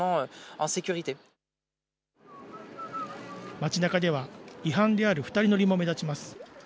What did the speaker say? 町なかでは、違反である２人乗りも目立ちます。